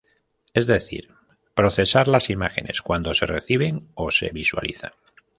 Es decir, procesar las imágenes cuando se reciben o se visualizan.